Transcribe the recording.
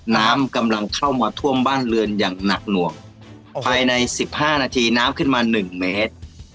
น้ำกำลังเข้ามาท่วมบ้านเรือนอย่างหนักหน่วงภายในสิบห้านาทีน้ำขึ้นมาหนึ่งเมตร